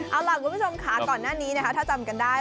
เอาล่ะคุณผู้ชมค่ะก่อนหน้านี้นะคะถ้าจำกันได้